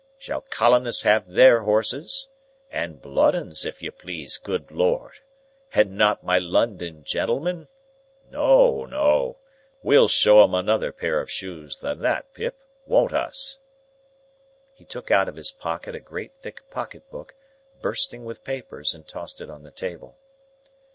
Shall colonists have their horses (and blood 'uns, if you please, good Lord!) and not my London gentleman? No, no. We'll show 'em another pair of shoes than that, Pip; won't us?" He took out of his pocket a great thick pocket book, bursting with papers, and tossed it on the table.